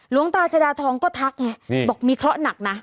หลวงตาชดาทองก็ทักไงบอกมีเคราะห์หนักนะ